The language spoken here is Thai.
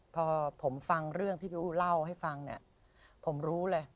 พอผมฟังเรื่องที่พี่อู๋เล่าให้ฟังเนี่ยผมรู้เลย